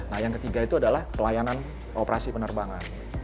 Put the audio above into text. nah yang ketiga itu adalah pelayanan operasi penerbangan